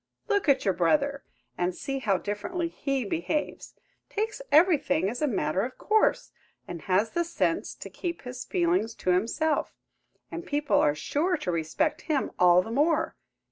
Look at your brother, and see how differently he behaves!–takes everything as a matter of course; and has the sense to keep his feelings to himself; and people are sure to respect him all the more.